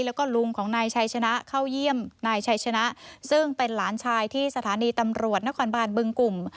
แล้วก็ลุงของนายชัยชนะเข้าเยี่ยมนายชัยชนะซึ่งเป็นหลานชายที่สถานีตำรวจนครบานบึงกลุ่ม